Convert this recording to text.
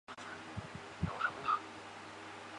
以下的列表列出北朝元魏所有的藩王。